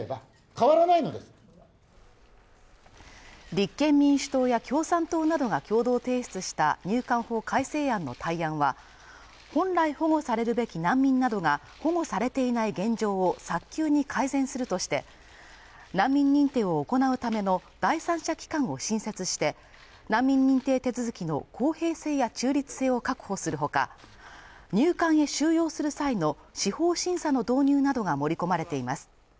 立憲民主党や共産党などが共同提出した入管法改正案の対案は本来保護されるべき難民などが保護されていない現状を早急に改善するとして難民認定を行うための第三者機関を新設して難民認定手続きの公平性や中立性を確保する他、入管へ収容する際の司法審査の導入などが盛り込まれています。